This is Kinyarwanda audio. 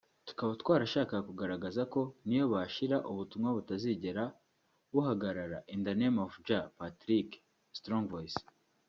tukaba twarashakaga kugaragaza ko niyo bashira ubutumwa butazigera buhagarara in the name of Jah-Patrick (Strong voice)